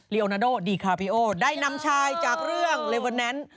โอนาโดดีคาบิโอได้นำชายจากเรื่องเลเวอร์แนนซ์